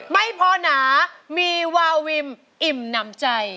ไม่พอหนามีวาวิมอิ่มน้ำใจ